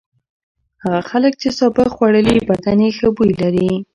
هغه خلک چې سابه خوړلي بدن یې ښه بوی لري.